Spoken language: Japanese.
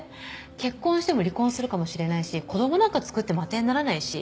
結婚しても離婚するかもしれないし子供なんか作っても当てにならないし。